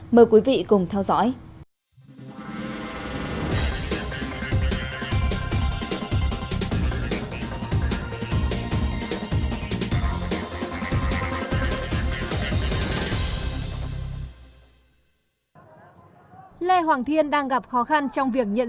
mời quý vị cùng theo dõi